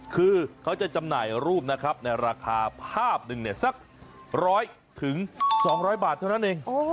คือเขาจะจำหน่ายรูปนะครับในราคาภาพหนึ่งเนี่ยสัก๑๐๐๒๐๐บาทเท่านั้นเอง